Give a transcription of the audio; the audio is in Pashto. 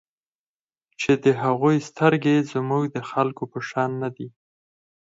چې د هغوی سترګې زموږ د خلکو په شان نه دي.